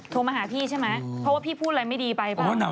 โทรมาหาพี่ใช่ไหมเพราะว่าพี่พูดอะไรไม่ดีไปเปล่า